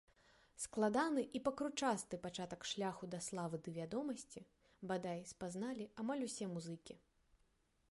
Складаны і пакручасты пачатак шляху да славы ды вядомасці, бадай, спазналі амаль усе музыкі.